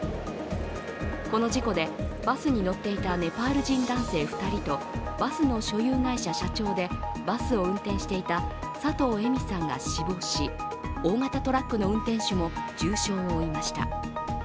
この事故でバスに乗っていたネパール人男性２人とバスの所有会社社長で、バスを運転していた佐藤恵美さんが死亡し大型トラックの運転手もけがを負いました。